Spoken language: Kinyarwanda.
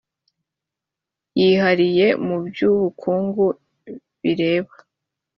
yihariye mu by ubukungu bireba